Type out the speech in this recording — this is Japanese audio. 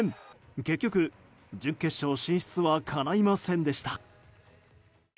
結局、準決勝進出はかないませんでした。